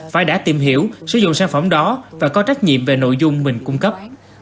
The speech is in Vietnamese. phải đã tìm hiểu sử dụng sản phẩm đó và có trách nhiệm về nội dung mình cung cấp